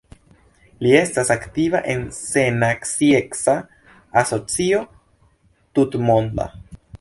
Li estas aktiva en Sennacieca Asocio Tutmonda.